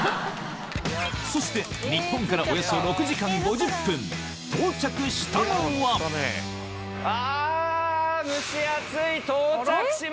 そして日本からおよそ６時間５０分到着したのはあ！